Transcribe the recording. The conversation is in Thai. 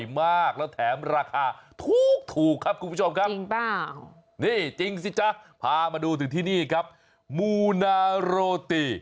มูนาโรติ